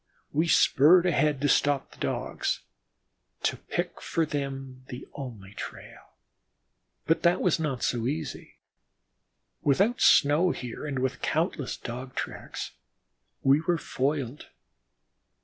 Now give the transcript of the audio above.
We spurred ahead to stop the Dogs, to pick for them the only trail. But that was not so easy. Without snow here and with countless Dog tracks, we were foiled.